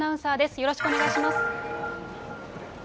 よろしくお願いします。